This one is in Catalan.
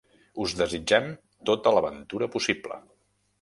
Us desitgem tota la ventura possible.